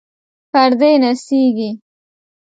پردې نڅیږي